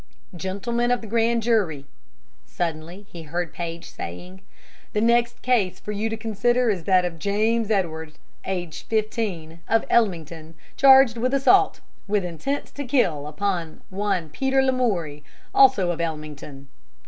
"Gentlemen of the grand jury," suddenly he heard Paige saying, "the next case for you to consider is that of James Edwards, aged fifteen, of Ellmington, charged with assault, with intent to kill, upon one Peter Lamoury, also of Ellmington."